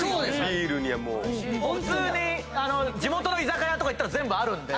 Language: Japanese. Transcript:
普通に地元の居酒屋とか行ったら全部あるんで。